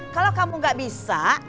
kalau kamu gak bisa